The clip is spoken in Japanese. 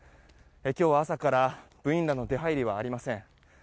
今日朝から部員らの出入りはありません。